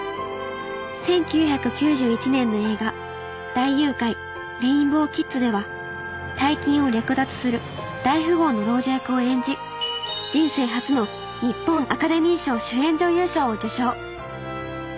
１９９１年の映画「大誘拐ＲＡＩＮＢＯＷＫＩＤＳ」では大金を略奪する大富豪の老女役を演じ人生初の日本アカデミー賞主演女優賞を受賞。